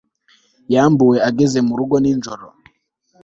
Yambuwe ageze mu rugo nijoro